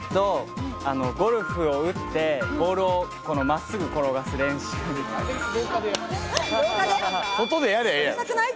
ゴルフを打って、ボールを真っすぐ転がす練習みたいな。